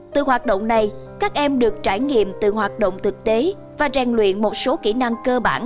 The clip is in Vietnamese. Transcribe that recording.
từ hoạt động này các em được trải nghiệm từ hoạt động thực tế và rèn luyện một số kỹ năng cơ bản